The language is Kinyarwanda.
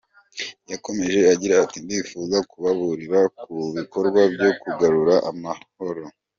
Yakomeje agira ati “Ndifuza kubaburira ku bikorwa byo kugarura amahoro.